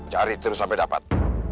cari terus sampai dapat